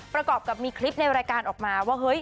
ประกอบกับมีคลิปในรายการออกมาว่าเฮ้ย